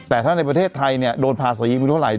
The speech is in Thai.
แต่ถ้าในประเทศไทยเนี่ยโดนภาษีไม่รู้เท่าไหร่